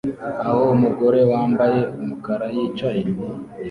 aho umugore wambaye umukara yicaye